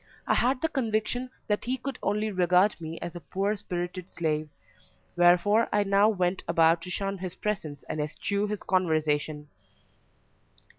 I had the conviction that he could only regard me as a poor spirited slave, wherefore I now went about to shun his presence and eschew his conversation.